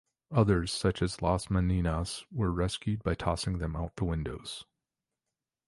Others, such as "Las Meninas", were rescued by tossing them out the windows.